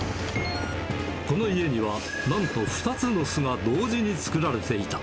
この家には、なんと２つの巣が同時に作られていた。